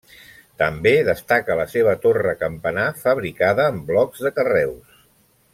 També destaca la seva torre campanar fabricada amb blocs de carreus.